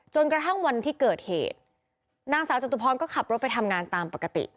จนกระทั่งวันที่เกิดเหตุนางสาวจตุพรก็ขับรถไปทำงานตามปกติ